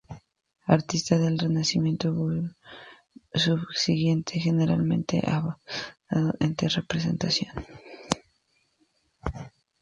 Artistas del Renacimiento subsiguiente, generalmente abandonaron esta representación.